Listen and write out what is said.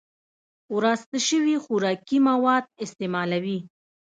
وراسته شوي خوراکي مواد استعمالوي